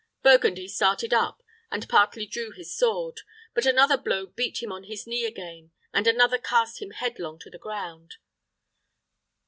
Burgundy started up, and partly drew his sword; but another blow beat him on his knee again, and another cast him headlong to the ground.